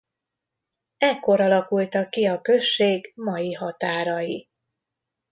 Ekkor alakultak ki a község mai határai.